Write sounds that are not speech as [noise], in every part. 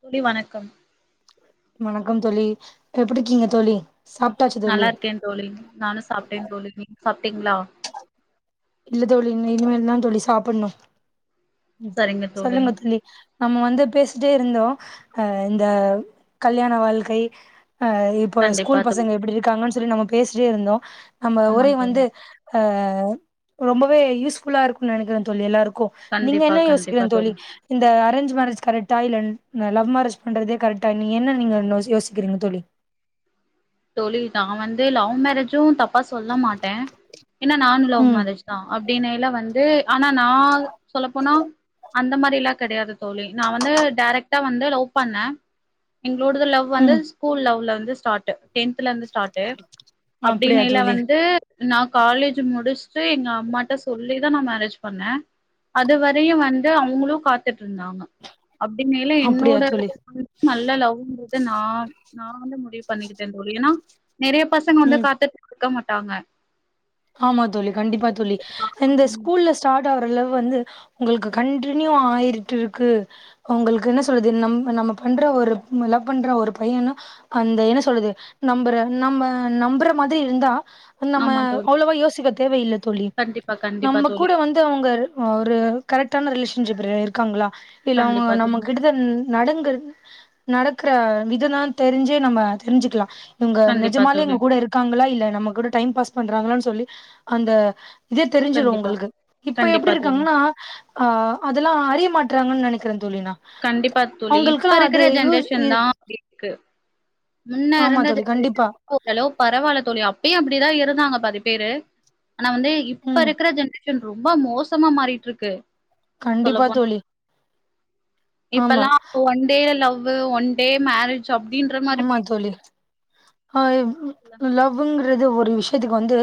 தோழி வணக்கம் வணக்கம் தோழி எப்புடிருக்கீங்க தோழி சாப் நல்லா இருக்கே தோழி நானூ சாப்பிட்டே தோழி நீங் சாப்டீங்களா இல்ல தோழி இனிமேல்லா தோழி சாப்பிட்ணூ ம் சொல்லுங்க தோழி நாம வந்து பேசிட்டே இருந்தோ அ இந்த கல்யாண வாழ்க்கை ஆ இப் இப்போ கண்டிப்பா ஸ்கூல் தோழி பசங்க எப்படி இருக்காங்கன்னு சொல்லி நம்ம பேசிட்டே இருந்தோ நம்ம ஆமா உரய தோழி வந்து ஆ ரொம்பவே யூஸ் ஃபுல்லா இருக்கூ நினைக்கிறே தோழி எல்லாருக்கூ நீங்க கண்டிப்பா என்ன கண்டிப்பா யோசிக்கிறங் தோழி இந்த அரேஞ் மேரேஜ் கரெக்டா இல்ல லவ் மேரேஜ் பண்றதே கரெக்டா நீங் என்ன நீங்க யோஸ் யோஸ்கீறிங்க தோலி தெழில் தா நா வந்து லவ் மேரேஜும் தப் பா சொல்ல மாட்டே ‌ஏனா நானூ லவ் ம் மேரேஜ் தா அப்டின்னய்ல வந்து ஆனா நா வந் சொல்ல போனா அந்த மாரில்லா கிடையாது தோழி நா வந்து டைரக்ட்டா வந்து லவ் பண்ணே எங்களோடுது லவ் வந்து ம் ஸ்கூல் லெவ்ல வந்து ஸ்ட்ராட்டு டென்தலந்து ஸ்டார்டு அப்டியா அப்டின்னைல தோழி வந்து நான் காலேஜ் முடிச்சுட்டு எங்க அம்மாட்ட சொல்லிதா நா மேரேஜ் பண்ணே அதுவரையூ வந்து அவங்களூ காத்துட் இருந்தாங்க அப்டினேல அப்டியா என்னோட தோழி வந்து நல் லவ்ங்கது நா நா வந்து முடிவு பண்ணிக் ஏன்னா நெறய பசங்க ம் வந்து காத்துட் இருக்க மாட்டாங்க ஆமா தோழி கண்டிப்பா தோழி இந்த ஸ்கூல்ல ஸ்டார்ட் ஆற லவ் வந்து உங்களுக்கு கண்டனியூ ஆயிட்டிருக்கு அவங்களுக்கு என்ன சொல்லுது நம் நம்ம பண்ற ஒரு லவ் பண்ற ஒரு பையன்னெ அந்த என்ன சொல்லுது நம்பற நம்ம நம்புற மாதிரி இருந்தா நம்ம ஆமா தோழி அவ்ளவ்வா யோசிக்க தேவையில்ல தொழி கண்டிப்பா கண்டிப்பா நம்ம தோழி கூட வந் ந்து அவங்க ஒரு கரெக்டான ரிலேஷன்ஷிப்ல இருக்காங்களா இல்ல அவங்க கண்டிப்பா தோழி நமக் கிட்ட இது நடந்து நடக்கிற விதனா நம்ம தெரிஞ்சு தெரிஞ்சுக்கலாம் இவங்க கண்டிப்பா நிஜமாலே தோழி நம்ம கூட இருக்காங்களா இல்ல நம்ம கூட டைம் பாஸ் பண்றாங்களான்னு சொல்லி அந்த இது தெரிஞ்சீடும் கண்டிப்பா உங்களுக்கு இப்ப எப்புடி கண்டிப்பா தோழி இருக்காங்கன்னா ஆ அதெல்லா அறிய மாட்டறாங்கன்னு நெனைக்கிறே தோழினா கண்டிப்பா தோழி இப்ப இருக்கிற ஜென்ரேஷன் இ தா க்கு முன்ன ஆமா இருந்த தோழி கண்டிப்பா ஜென்ரேஷன் ஓ ஹலோ பரவால்ல தோழி அப்பயு அப்டிதா இருந்தாங்க பாதி பேரு ஆனா வந்து இப்ப ம் இருக்கிற ஜென்ரே ரொம்ப மோசமா மாறிட்டு இருக்கு கண்டிப்பா தோழி ஆமா இப்பல்லா one day love one day marriage அப்டின்ற மாரி ஆமா போயிட்ருக்குல்ல தோழி அ லவ்ங்கிறது ஒரு விஷயத்துக்கு வந்து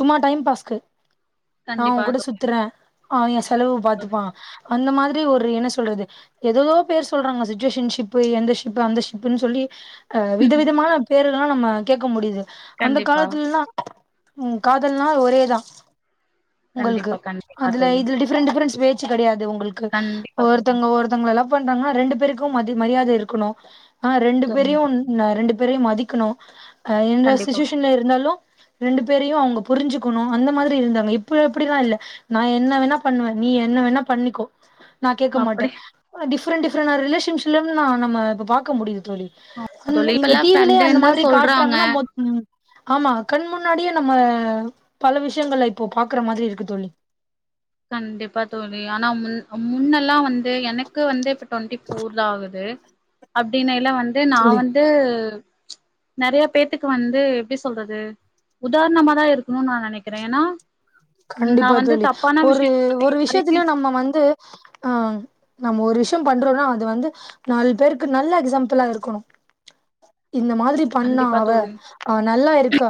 சும்மா டைம் பாஸ்க்கு நா உன் கண்டிப்பா கூட தோழி சுத்துறே அவன் ஏ செலவு தோழி பாரத்துப்பா அந்த மாதிரி ஒரு என்ன சொல்றது ஏததோ பேர் சொல்றாங்க சிச்சுவேஷன்ஷிப்பு எந்த ஷிப்பு அந்த ஷிப்புன்னு சொல்லி அ வித விதமான பேரெல்லா நம்ம கேட்க முடியுது அந்த கண்டிப்பா காலத்துலல்லா ம் காதல்னா ஒரேதா உங்களுக்கு கண்டிப்பா கண்டிப்பா அதுல தோழி இதுடி டிஃப்ரெண்ட் டிஃப்ரெண்ட்ஸ் பேச்சு கிடையாது உங்களுக்கு கண்டிப்பா தோழி ஒருத்தங்க ஒருத் லவ் பண்றாங்கன்னா ரெண்டு பேருக்கு மதி மரியாதை இருக்கணு ஆ ரெண்டு சரிங்க பேரையுன் தோழி னா ரெண்டு பேரையு மதிக்கணு அ எந்த கண்டிப்பா சிச்சுவேஷன்ல இருந்தாலு ரெண்டு பேரையு அவங்க புரிஞ்சுக்கணு அந்த மாதிரி இருந்தாங்க இப்ப அப்டிலா இல்ல நா என்ன வேணா பண்ணுவே நீ என்ன வேணா பண்ணிக்கோ நா கேட்க மாட்டே அப்டி டிப்ரெண்ட் டிஃப்ரெண்ட் ரிலேஷன்ஸ்ல நா நம்ம இப்ப பாக்க முடியுது தோழி அந்த தோழி இந்த இப்பல்லா டிவிலயே அந்த ஃப்ரெண்டுன்னு தா மாதிரி சொல்றாங்க காட்டுறாங்கன்னா மொத் ஆமா கண் முன்னாடியே நம்ம பல விஷயங்கள இப்போ பாக்குற மாதிரி இருக்கு தோழி கண்டிப்பா தோல்வி ஆனா முன் முன்னெல்லா வந்து எனக்கு வந்து இப்டி டொன்ட்டி ஃபோர் தா ஆகுது அப்டினல்ல வந்து நா தோழி வந்து நிறைய பேத்துக்கு வந்து எப்டி சொல்றது உதாரணமா தா இருக்கணும்னு நா நினைக்கிறே ஏன்னா நா கண்டிப்பா வந்து தோழி தப்பான ஒரு விஷயத்த ஒரு யாரையுமே விஷயத்திலயு நம்ம வந்து ஆ நம்ம ஒரு விஷயோ பண்றோன்னா அது வந்து நாலு பேருக்கு நல்ல எக்ஸாம்பிளா இருக்கணு இந்த மாதிரி பண்ணா கண்டிப்பா அவ தோழி அவ நல்லா இருக்கா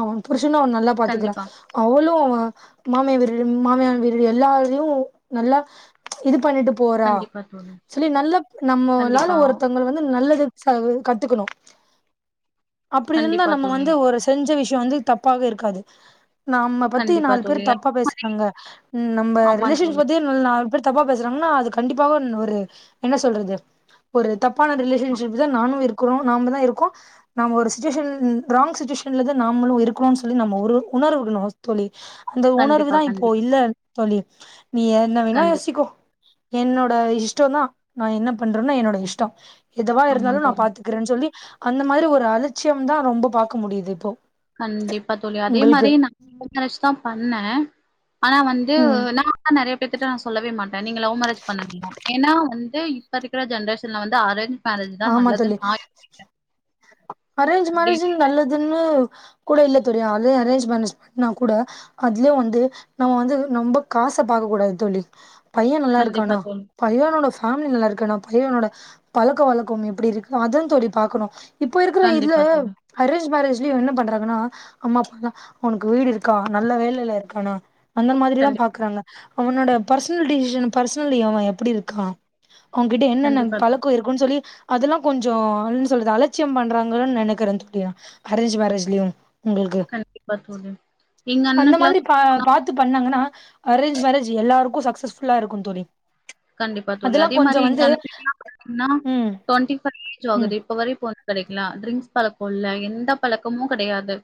அவன் புருஷனு அவள நல்லா பாத்துக்கிறா கண்டிப்பா அவளுமா மாமியா வீடு மாமியார் வீடு எல்லாரையு நல்லா இது பண்ணிட்டு போறா கண்டிப்பா தோழி சொல்லி நல்லா நம்ம எல்லாரு கண்டிப்பா ஒருத்தங்கள வந்து நல்லது செலவங்க கத்துக்கணு அப்டி இருந்தா கண்டிப்பா நம்ம தோழி வந்து ஒரு செஞ்ச விஷ்யோ வந்து தப்பாக இருக்காது நாம்ம பத்தி கண்டிப்பா நாலு பேர் தோழி தப்பா பேசுறாங்க நம்ம ஆமா ரிலேஷன்ஸ் தோழி பத் தி நாலு பேர் தப்பா பேசுறாங்கன்னா அது கண்டிப்பாக ஒரு என்ன சொல்றது ஒரு தப்பான ரிலேஷன்ஷிப் தா நானு இருக்கிறோ நாம தா இருக்கோ நம்ம ஒரு சுச்சுவேஷன் ராங் சுச்சுவேஷன்ல தான் நாமளு இருக்றோன்னு சொல்லி நம்ம ஒரு ஒரு உணர விடணு தோழி அந்த உணர்வு கண்டிப்பா தா இப்போ கண்டிப்பா இல்ல தோழி நீ என்ன வேணா கண்டிப்பா யோசிக்கோ என்னோட இஷ்டோ தா நா என்ன பண்றேணோ என்னோட இஷ்டோ எதுவா ஆமா இருந்தாலு நா தோழி பாத்துக் றேன்னு சொல்லி அந்த மாதிரி ஒரு அலட்சியோ தா ரொம்ப பார்க்க முடியுது இப்போ கண்டிப்பா தோழி அதே உங்களுக்கு மாதிரி நான் இத வச்சு தா பண்ணே ஆனா வந்து ம் நா ஆனா நா நறைய பேத்துட்ட நா சொல்லவே மாட்டே நீங்க லவ் மேரேஜ் பண்ண ஏன்னா வந்து இப்ப இருக்கிற ஜென்ரேஷன்ல வந்து அரேஞ் ஆமா சொல்லி அரேஞ்ச் மேரேஜ் அப்டின்னு நல்லதுன்னு கூட இல்ல தோழி அதே அரேஞ்ச் மேரேஜ்னா கூட அதுலயே வந்து நம்ம வந்து ரொம்ப காச பாக்க கூடாது தோழி பையன் நல்லா கண்டிப்பா இருக்கானா தோழி பையனோட ஃபேமிலி நல்லா இருக்கானா பையனோட பழக்க வழக் கோ எப்டி இருக்கு அதா தோழி பார்க்கணு இப்போ இருக்கிற இதுல கண்டிப்பா தோழி அரேஞ் மேரஜ்லயு என்ன பண்றாங்கன்னா அம்மா அதா உனக்கு வீடு இருக்கா நல்ல வேலைலருக்கானா அந்த மாதிரிதா கண்டிப்பா பாக்குறாங்க அவனோட பர்சனல் டிசிஷன் பர்சனலி அவன் எப்டிருக்கான் அவன்கிட்ட என்னன்ன கண்டிப்பா தோழி பழக்கோ இருக்குனு சொல்லி அதெல்லா கொஞ்சோ அனு சொல்லறது அலட்சியம் பண்றாங்கன்னு நெனைக்கிறே தோழி அரேஞ்ச் மேரேஜ்லயு உங்களுக்கு கண்டிப்பா தோழி எங்க அந்த அண்ணனுக்குலா மாதிரி பா போனா பா த்து பண்ணாங்கன்னா அரேஞ்ச் மேரேஜ் எல்லாருக்கு சக்சஸ்ஃபுல்லா இருக்கும் தோழி கண்டிப்பா தோழி அதெல்லா அதே கொஞ்சோ மாதிரி வந்து எங்கனா [inaudible] ங்னா ம் டொண்டி [unintelligible] ஏஜ் ம் ஆகுது இப்ப வரை பொண்ணு கெடைக்கல ட்ரிங்க்ஸ் பழக்கோ இல்ல எந்த பழக்கமு கெடையாது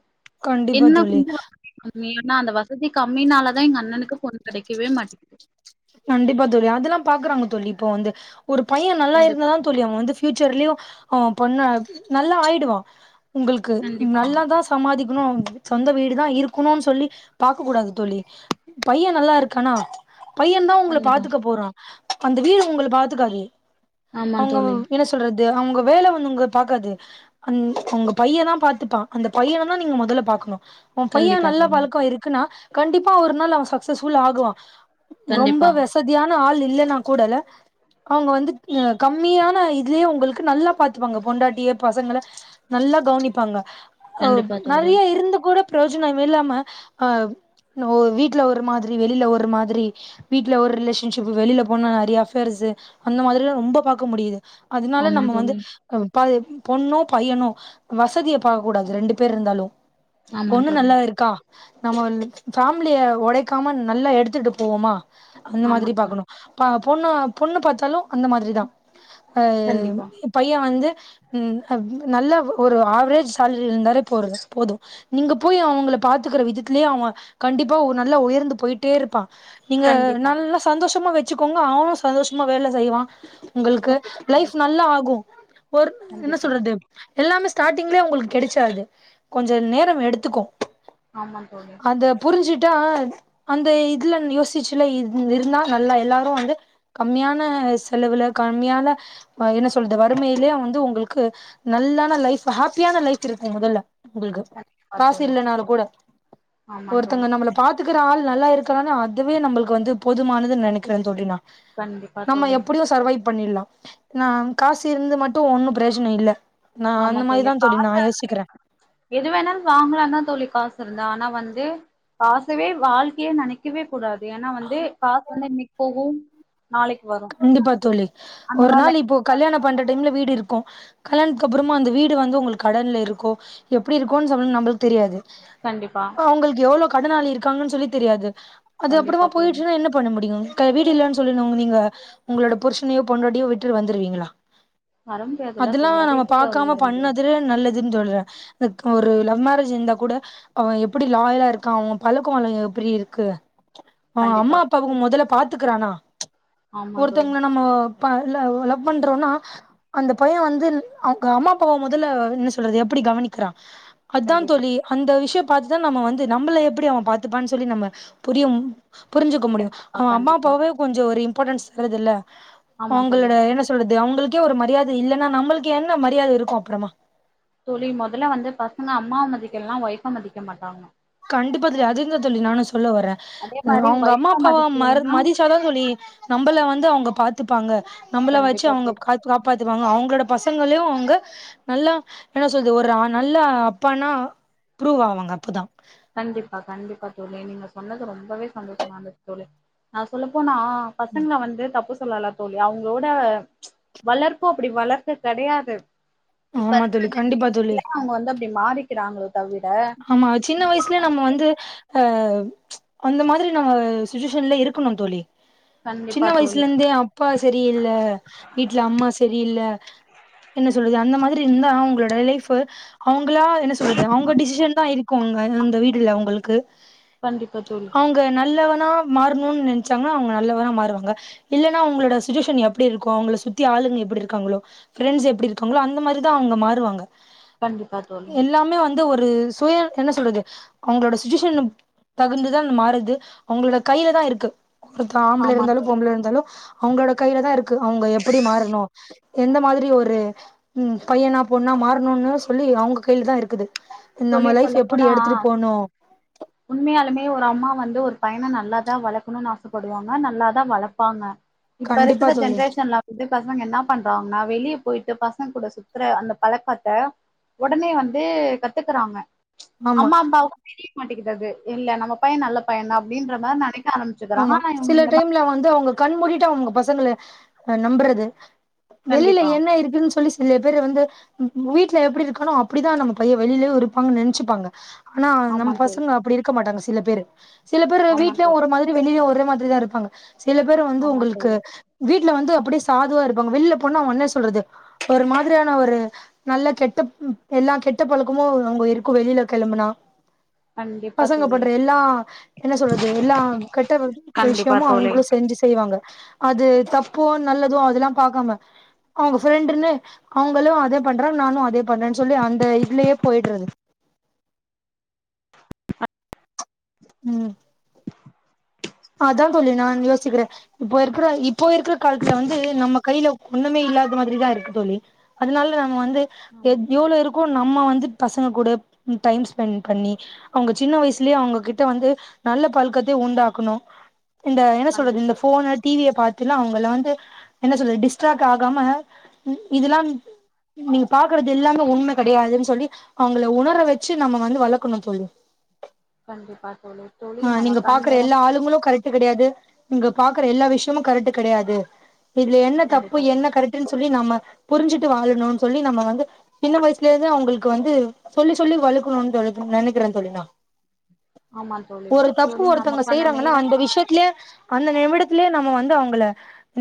கண்டிப்பா என்ன தோழி கொஞ்சோ வசதி கம்மி ஆனா அந்த வசதி கம்மினாலதா எங்க அண்ணனுக்கு பொண்ணு கிடைக்கவே மாட்டிக்குது கண்டிப்பா தோழி அதெல்லா பாக்குறாங்க தோழி இப்போ வந்து ஒரு பையே நல்லா கண்டிப்பா இருந்தாலான் தோழி அவுங்க வந்து ஃபூச்சர்லயு அவன் பொண்ணு நல்லா ஆயிடுவான் உங்களுக்கு கண்டிப்பா நல்ல தா சமாதிக்கணு சொந்த வீடுதா இருக்கணும்னு சொல்லி பாக்க கூடாது தோழி பையே நல்லாருக்கானா பையன் தா உங்கள கண்டிப்பா பாத்துக்க போறா அந்த வீடு உங்கள பாத்துக்காது ஆமா அவங்க தோழி என்ன சொல்றது அவுங்க வேல வந்து உங்கள பாக்காது அ உங்க பையேந்தா உங்ள பாத்துப்பான் அந்த பையன தா நீங்க முதல்ல பாக்னு ஒ பையெ கண்டிப்பா நல்லா தோழி பழக்கோ இருக்குன்னா கண்டிப்பா ஒரு நாள் அவன் சக்சஸ்ஃபுல் ஆகுவான் ரொம்ப கண்டிப்பா வெஸ் சதியான ஆள் இல்லன்னா கூட அவுங்க வந்து அ கம்மியான இதுலயே உங்களுக்கு நல்லா பாத்துப்பாங்க பொண்டாட்டிய பசங்கள நல்லா கவனிப்பாங்க அ கண்டிப்பா தோழி நெறைய இருந்து கூட பிரயோஜனமே இல்லாம ஆ வீட்ல ஒரு மாதிரி வெளில ஒரு மாதிரி வீட்ல ஒரு ரிலேஷன்ஷிப்பு வெளில போனா நெறைய அஃபேயர்ஸு அந்த மாதிரி எல்லாம் ரொம்ப பாக்க முடிது அதனால ஆமா நம்ம வந்து தோழி ஒ பய் பொண்ணோ பையனோ வசதிய பாக்க கூடாது ரெண்டு பேர்ருந்தாலு ஆமா பொண்ணு தோழி நல்லா இருக்கா நம்மன் ஃபேமிலிய உடைக்காம நல்லா எடுத்துட்டு போகுமா அந்த ஆமா மாதிரி தோழி பாகக்கணு ப பொண்ணு பொண்ணு பாத்தாலு அந்த மாதிரிதா அ கண்டிப்பா பையே வந்து ம் ஆ நல்ல ஒரு ஆவரேஜ் சாலரி இருந்தாலே போறத போது நீங்க போய் அவங்கள பாத்துக்குற விதத்துலே அவன் கண்டிப்பா ஒரு நல்லா உயர்ந்து போயிட்டேருப்பா நீங்க கண்டிப்பா நல்லா சந்தோஷமா வச்சுக்கோங்க அவனு சந்தோஷமா வேல செய்வா உங்களுக்கு கண்டிப்பா தோழி லைஃப் நல்லா ஆகு ஒரு என்ன கண்டிப்பா சொல்றது எல்லாமே ஸ்டார்ட்டிங்லே உங்களுக்கு கிடைச்சாது கொஞ்சோ நேரம் எடுத்துக்கும் ஆமா தோழி அத புரிஞ்சுட்டா அந்த இதுல யோசிச்சுல இருந்தா நல்லா எல்லாரு வந்து கம்மியான செலவுல கம்மியான அ என்ன சொல்றது வறுமைலே வந்து உங்களுக்கு நல்லான லைஃப் ஹாப்பியான லைஃப் இருக்கு மொதல்ல உங்களுக்கு கண்டிப்பா காசு தோழி இல்லனாலு கூட ஆமா தோழி ஒருத்தங்க நம்மள பாத்துக்கிற ஆள் நல்லா இருக் கான அதுவே நம்ளுக்கு வந்து போதுமானது நெனைக்கிறேன் தோழி நா கண்டிப்பா நம்ம தோழி எப்டியு சர்வைவ் பண்ணீர்லா ஆ காசு இருந்து மட்டு ஒன்னு பிரயோஜனம் இல்ல நா ஆமா அந்த மாதிரிதா தோழி நா காசு யோசிக்குறே எது வேணாலு வாங்கலாந் தா தோழி காசு இருந்தா ஆனா வந்து காசவே வாழ்க்கையா நெனைக்க வே கூடாது ஏனா வந்து காசு வந்து இன்னிக்கு போகு நாளைக்கு வரு கண்டிப்பா தோழி அந்த ஒரு மாரி நாள் லைஃப் இப்போ கல்யாணம் பண்ற டைம்ல வீடுருக்கு கல்யானத்துக் அப்புறமா அந்த வீடு வந்து உங்களுக்கு கடன்ல இருக்கோ எப்டி இருக்கோன்னு சொல்ல நம்ளுக்கு தெரியாது கண்டிப்பா உங்களுக்கு எவ்வளவு கடன்னாளி இருக்கான்னு சொல்லித் தெரியாது அது கண்டிப்பா அப்டிமா தோழி போயிடுச்சுன்னாஎன்ன பண்ண முடியு க வீடு இல்லன்னு சொல்லனு நீங்க உங்களோட புருஷனையோ பொண்டாடியோ விட்டு வந்தடுவீங்கள வர முடியாதுல்லா தோழி அது எப்டி தோழி பாக்காம வர முடியு பண்ணது நல்லதுன்னு சொல்றே ஒரு லவ் மேரேஜ் இருந்தா கூட அவ எப்டி லாயலா இருக்கா அவ பழக்கவழக்கோ எப்டி இருக்கு அவ கண்டிப்பா அம்மா அப்பாவுக்கு முதல்ல பாத்துக்கறானா ஆமா தோழி ஒருத்தவங்க நம்மோ ப லவ் பண்றோம்னா அந்த பையன் வந்து அவங்க அம்மா அப்பாவை மொதல்ல என்ன சொல்றது எப்டி கவனிக்கிறா அதுதா கண்டிப்பா தோழி அந்த விஷயம் பாத்துதா நம்ம வந்து நம்மள எப்டி அவ பாத்துப்பான்னு சொல்லி நம்ம புரியும் புரிஞ்சுக்க முடியு கண்டிப்பா அவ அம்மா கண்டிப்பா அப்பாவே கொஞ்சோ ஒரு இம்பார்ட்டன்ஸ் தரதது இல்ல ஆமா தோழி அவங்களோட என்ன சொல்லறது அவங்களுக்கே ஒரு மரியாதை இல்லைன்னா நம்மளுக்கு என்ன மரியாதை இருக்கு அப்புறமா தோழி மொதல்ல வந்து பசங்க அம்மாவை மதிக்கலன்னா ஒய்ஃப்பா மதிக்க மாட்டாங்க கண்டிப்பா தோழி அதுதா தோழி நானு சொல்ல வரேன் அதே அ மாரி அவங்க அம்மா ஒய்ஃப அப்பாவ மற மதிக்கலனா மதி ச்சாதா தோழி நம்மளை வந்து அவ்ங்க பாத்துப்பாங்க நம்மளை வச்சு கண்டிப்பா அவங்க தோழி கத்து காப்பாத்துவாங்க அவங்களோட பசங்களையும் அவங்க நல்லா என்ன சொல்லறது ஒரு நல்லா அப்பானா ப்ரூவ் ஆவாங்க அப்பதா கண்டிப்பா கண்டிப்பா தோழி நீங்க சொன்னது ரொம்பவே சந்தோஷமா இருந்தது தோழி நா சொல்லப்போனா பசங்களை வந்து தப்பு சொல்லல தோழி அவங்களோட வளர்பு அப்டி வளர்க்க கெடையாது இப்ப ஆமா இருக்கற தோழி கண்டிப்பா தோழி ஜென்ரேஷன் அவங்க வந்து அப்டி மாறிக்கிறாங்கள தவிர ஆமா சின்ன வயசுல நம்ம வந்து அ அந்த மாரி நம்ம சுச்சுவேஷன்ல இருக்கணு தோழி கண்டிப்பா சின்ன தோழி வயசுல இருந்தே அப்பா சரியில்ல வீட்டுல அம்மா சரியில்ல என்ன சொல்றது அந்த மாரி இருந்தா அவங்களோட லைஃப் அவங்களா என்ன சொல்றது அவங்க டிச சிசன்தா இருக்கும் அங்க அந்த வீடுல அவங்களுக்கு கண்டிப்ப தோழி அவங்க நல்லவனா மாறணும்னு நினச்சாங்கன்னா அவங்க நல்லவனா மாறுவாங்க இல்ன்னா அவங்களோட சுச்சுவேஷன் எப்டி இருக்கும் அவங்கள சுத்தி ஆளுங்க எப்டி இருக்காங்களோ பிரெண்ட்ஸ் எப்டி இருக்காங்களோ அந்த மாரிதா அவங்க மாறுவாங்க கண்டிப்பா தோழி எல்லாமே வந்து ஒரு சுய என்ன சொல்றது அவங்களோட சுச்சுவேஷன் தகுந்துதா மாறுது அவங்களோட கையில தா இருக்கு ஒருத்த ஆம்பளை ஆமா இருந்தாலு பொம்பள் இருந்தாலு அவங்களோட கையில தா இருக்கு அவங்க எப்டி மாறணு எந்த மாதிரி ஒரு ம் பையனா பொண்ணா மாறணுன்னனு சொல்லி அவங்க கையில தா இருக்குது தோழி நம்ம லைஃப் சொல்லப் எப்படி போனா எடுத்துட்டு போணு உண்மையாலுமே ஒரு அம்மா வந்து ஒரு பையனை நல்லாதா வளக்கணும்னு ஆசைப்படுவாங்க நல்லாதா வளப்பாங்க இப்ப கண்டிப்பா இருக்கிற தோழி ஜென்ரேஷன்ல வந்து பசங்க என்ன பண்றாங்கன்னா வெளியே போயிட்டு பசங்க கூட சுத்துற அந்த பழக்காத்தை உடனே வந்து கத்துக்குறாங்க ஆமா அம்மாப்பாவு தெரிய மாட்டிங்குது அது இல்ல நம்ம பைய நல்ல பைய தா அப்டின்ற மாரி நெனைக்கன் ஆமா சில டைம்ல வந்து அவங்க கண் மூடிட்டு அவங்க பசங்கள அ நம்பறது வெளியில கண்டிப்பா என்ன இருக்குன்னு சொல்லி சில பேரு வந்து வீடல எப்டி இருக்கணு அப்டிதா நம்ம பைய வெளியிலேயே இருப்பாங்குன்னு நெனைச்சுப்பாங்க ஆனா நம்ம ஆமா தோழி பசங்க அப்டி இருக்க மாட்டாங்க சில பேரு சில பேரு ஆமா வீட்லயு தோழி ஒரு மாரி வெளியு ஒரே மாதிரி தா இருப்பாங்க சில பேரு வந்து ஆமா உங்களுக்கு தோழி வீட்ல வந்து அப்டியே சாதுவா இருப்பாங்க வெளில போனா ஒன்னே சொல்றது ஒரு மாதிரியான ஒரு நல்ல கெட்ட எல்லா கெட்டா பழக்கமு அங்க இருக்கு வெளியில கெளம்புனா கண்டிப்பா பசங்க தோழி பண்ற எல்லா என்ன சொல்றது எல்லாம் கெட்ட கண்டிப்பா விஷயமு தோழி அவுங்களு செஞ்சு செய்வாங்க அது தப்போ நல்லதோ அதுல்லா பாக்காம அவுங்க ஃப்ரெண்டுன்னு அவுங்களு அதே பண்றாங் நானு அதே பண்றேன்னு அந்த இதுலயே போயிட்றது [inaudible] ம் அதா தோழி நான் யோஸ் ச்சுக்கிற இப்போ இருக்கிற இப்போ இருக்கிற காலத்துல வந்து நம்ம கையில ஒண்ணுமே இல்லாத மாதிரிதா இருக்கு தோழி அதனால நம்ம வந்து ஆமா தோழி எவ்ளோ இருக் கு நம்ம வந்து பசங்க கூட டைம் ஸ்பென்ட் பண்ணி அவங்க சின்ன வயசுலேயே அவங்ககிட்ட வந்து நல்ல பழக்கத்தை உண்டாக்கணு இந்த என்ன சொல்றது கண்டிப்பா இந்த தோழி ஃபோனு டிவிய பாத்து அவங்கள வந்து என்ன சொல்லது டிஸ்ட்ராக்ட் ஆகாம இதுல்லா நீங்க பாக்குறது எல்லாமே உண்ம கெடையாதுன்னு சொல்லி அவங்கள உணர வச்சு நம்ம வந்து வளக்கணு தோழி [inaudible] கண்டிப்பா தோழி ஆ நீங்க நமக்கான பாக்குற நேரம் எல்லா முடிஞ் ஆளுங்களு கரெக்ட் கிடையாது இங்க பாக்குற எல்லா விஷயமு கரெக்ட் கிடையாது இதுல என்ன தப்பு கண்டிப்பா தோழி என்ன கரெக்ட்ன்னு சொல்லி நம்ம புரிஞ்சுட்டு வாழணுனு சொல்லி நம்ம வந்து சின்ன வயசுல இருந்து அவங்களுக்கு வந்து சொல்லி சொல்லி வளக்கணுனு [unintelligible] நெனைக்கிற தோழி நா ஆமா தோழி தோழி நமக்கான நேரம் விஷயத்திலே அந்த நிமிடத்திலே நம்ம வந்து அவுங்கள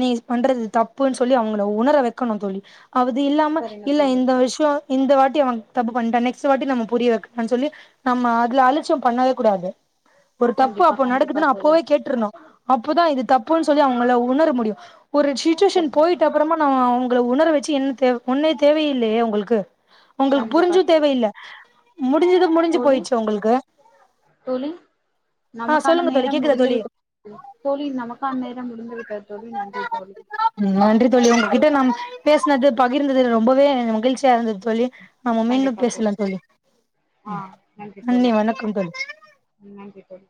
நீ பண்றது தப்புன்னு சொல்லி அவுங்கள உணர வைக்கணு தோழி அது இல்லாம சரிங்க இல்ல தோழி இந்த விஷ்யோ இந்த வாட்டி அவ தப்பு பண்ணிட்டா நெக்ஸ்ட் வாட்டி நம்ம புரிய வைக்கனு சொல்லி நம்ம அதுல அலட்சியோ பண்ணவே கூடாது ஒரு தப்பு கண்டிப்பா அப்ப கண்டிப்பா நடக்குதுன்னா அப்ப தோழி கேட்ருனு அப்போதா இது தப்புன்னு சொல்லி அவங்கள உணர முடியு ஒரு சிட்டுவேஷன் சரிங்க போய்ட்ட தோழி அப்புறமா ந அவுங்கள உணர வச்சி என்ன தேவ் ஒன்னு தேவையே இல்லையே உங்களுக்கு உங்களுக்கு கண்டிப்பா புரிஞ்சு தோழி தேவையில்ல முடிஞ்சுது முடிஞ்சு தோழி போய்ச்சு உங்களுக்கு தோழி ஆ நமக்கான சொல்லுங்க தோழி கேக் நேரம் முடிந்து விட்டது தோழி நமக்கான நேரம் முடிந்து விட்டது தோழி நன்றி தோழி நன்றி தோழி உங்கிட்ட நாம் பேசுனது பகிர்ந்தது ரொம்பவே மகிழ்ச்சியா இருந்தது தோழி நம்ம மீண்டும் பேசலா தோழி ஆ நன்றி வணக்கம் தோழி ம் நன்றி தோழி